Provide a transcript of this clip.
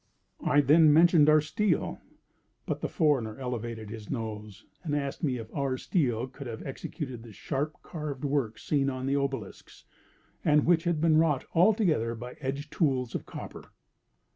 I then mentioned our steel; but the foreigner elevated his nose, and asked me if our steel could have executed the sharp carved work seen on the obelisks, and which was wrought altogether by edge tools of copper.